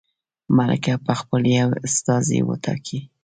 ملکه به خپل یو استازی وټاکي.